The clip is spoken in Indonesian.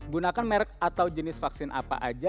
gunakan merek atau jenis vaksin apa aja